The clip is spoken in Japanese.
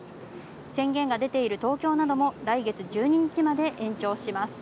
宣言が出ている東京なども来月１２日まで延長します。